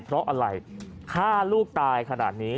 เพราะอะไรฆ่าลูกตายขนาดนี้